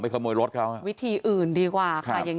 ไปขโมยรถเขา